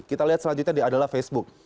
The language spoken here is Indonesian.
kita lihat selanjutnya adalah facebook